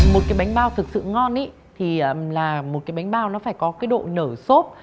một cái bánh bao thực sự ngon thì là một cái bánh bao nó phải có cái độ nở xốp